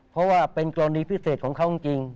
เพราะว่าเป็นกรณีพิเศษของเขาจริง